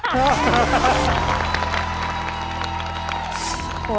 ถูกครับ